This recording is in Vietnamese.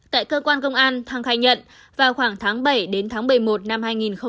tại cơ quan công an thăng khai nhận vào khoảng tháng bảy đến tháng bảy mươi một năm hai nghìn một mươi sáu